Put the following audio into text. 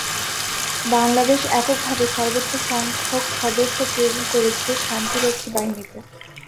বাংলাদেশ এককভাবে সর্বোচ্চ সংখ্যক সদস্য প্রেরণ করেছে শান্তিরক্ষী বাহিনীতে।